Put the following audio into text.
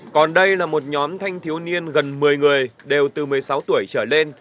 còn đây là một nhóm thanh thiếu niên gần một mươi người đều từ một mươi sáu tuổi trở lên